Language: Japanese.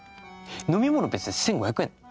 飲み物別で１５００円。